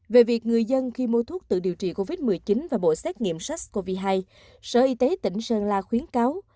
về việc người dân khi mua thuốc tự điều trị covid một mươi chín và bộ xét nghiệm sars cov hai sở y tế tỉnh sơn la khuyến cáo